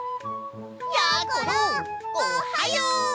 やころおはよう！